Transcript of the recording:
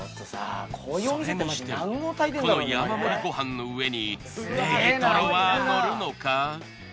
それにしてもこの山盛りご飯の上にネギトロはのるのか？